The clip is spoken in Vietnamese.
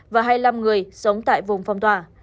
và hai mươi năm người sống tại vùng phong tỏa